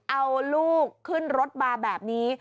เอาลูกขึ้นรถมาแบบนี้